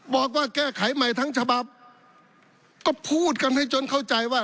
บอกว่าแก้ไขใหม่ทั้งฉบับก็พูดกันให้จนเข้าใจว่า